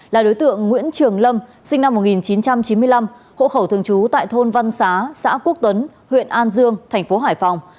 là đối tượng nguyễn trường lâm sinh năm một nghìn chín trăm chín mươi năm hộ khẩu thường trú tại thôn văn xá xã quốc tuấn huyện an dương thành phố hải phòng